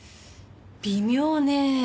微妙ね。